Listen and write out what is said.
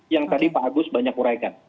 yang tadi pak agus banyak uraikan